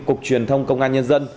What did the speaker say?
cục truyền thông công an nhân dân